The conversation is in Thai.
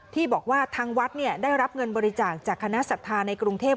ที่บอกว่าทางวัดได้รับเงินบริจาคจากคณะศรัทธาในกรุงเทพ